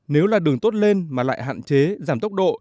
nếu là đường tốt lên mà lại hạn chế giảm tốc độ